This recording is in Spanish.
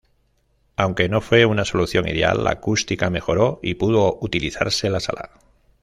Aunque no fue una solución ideal, la acústica mejoró y pudo utilizarse la sala.